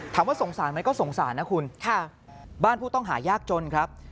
สงสารไหมก็สงสารนะคุณบ้านผู้ต้องหายากจนครับ